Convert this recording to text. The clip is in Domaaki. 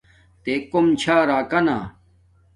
تے کوم چھا راکانا